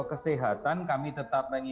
kesehatan kami tetap mengingat